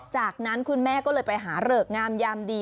จากนั้นคุณแม่ก็เลยไปหาเริกงามยามดี